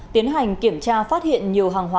tiến hành kiểm tra phát hiện nhiều hàng hóa